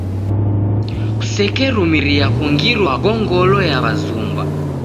Kusekerumiria kungirwa gongolo ya w'azumba.